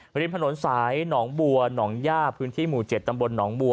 ริมถนนสายหนองบัวหนองย่าพื้นที่หมู่๗ตำบลหนองบัว